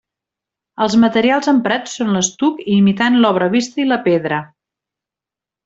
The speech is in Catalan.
Els materials emprats són l'estuc imitant l'obra vista i la pedra.